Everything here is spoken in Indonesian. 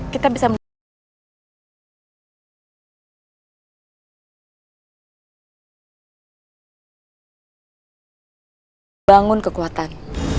kita bisa menjelaskan bahwa bangun kekuatan